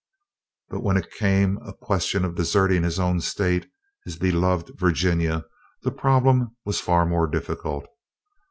But when it came a question of deserting his own State, his beloved Virginia, the problem was far more difficult.